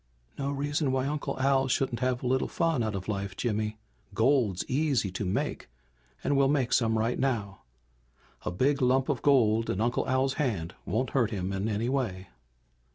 "No reason why Uncle Al shouldn't have a little fun out of life, Jimmy. Gold's easy to make and we'll make some right now. A big lump of gold in Uncle Al's hand won't hurt him in any way."